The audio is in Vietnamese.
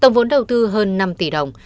tổng vốn đầu tư hơn năm tỷ đồng